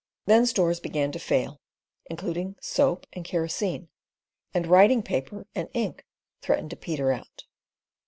Then stores began to fail, including soap and kerosene, and writing paper and ink threatened to "peter out."